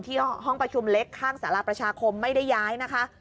ห้องประชุมเล็กข้างสารประชาคมไม่ได้ย้ายนะคะ